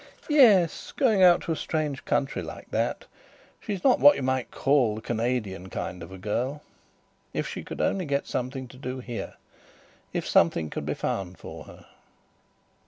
"Yes; going out to a strange country like that. She's not what you may call the Canadian kind of girl. If she could only get something to do here.... If something could be found for her."